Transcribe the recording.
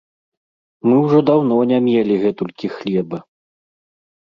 Мы ўжо даўно не мелі гэтулькі хлеба!